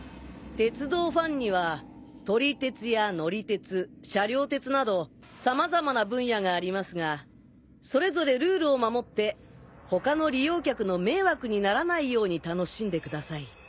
鉄道ファンには撮り鉄や乗り鉄車両鉄など様々な分野がありますがそれぞれルールを守って他の利用客の迷惑にならないように楽しんでください。